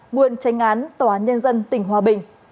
nguyên tránh án tòa án nhân dân tỉnh hòa bình